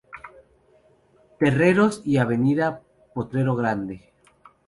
Terreros y Av Potrero Grande.